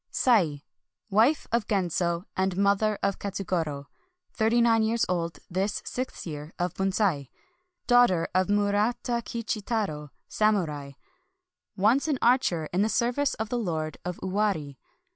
Sei. — Wife of Genzo and mother of Ka tsugoro. Thirty nine years old this sixth year of Bunsei. Daughter of Murata Kichitaro, samurai, — once an archer in the service of the Lord of Owari.